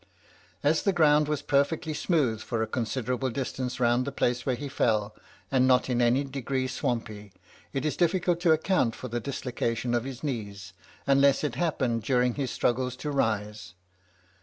"As the ground was perfectly smooth for a considerable distance round the place where he fell, and not in any degree swampy, it is difficult to account for the dislocation of his knees, unless it happened during his struggles to rise.